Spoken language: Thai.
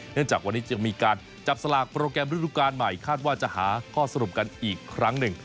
จากวันนี้จึงมีการจับสลากโปรแกรมฤดูการใหม่คาดว่าจะหาข้อสรุปกันอีกครั้งหนึ่ง